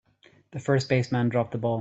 The first baseman dropped the ball.